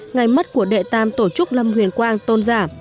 ngày mất của đệ tam tổ chức lâm huyền quang tôn giả